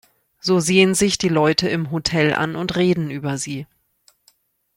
So sehen sie sich die Leute im Hotel an und reden über sie.